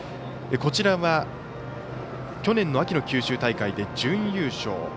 こちらは去年の秋の九州大会で準優勝。